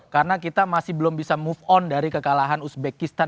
karena kita masih belum bisa move on dari kekalahan uzbekistan